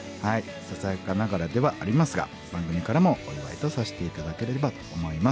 ささやかながらではありますが番組からもお祝いとさして頂ければと思います。